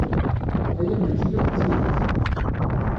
Aya mačči akk d tidet.